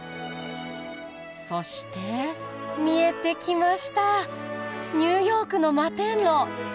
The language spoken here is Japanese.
そして見えてきましたニューヨークの摩天楼！